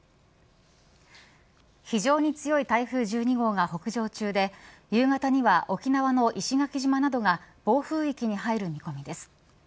非常に強い台風１２号が北上中で夕方には沖縄の石垣島などが暴風域に入る見込みです。